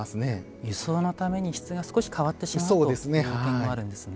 輸送のために質が少し変わってしまうという点もあるんですね。